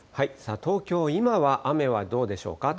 東京、今は雨はどうでしょうか？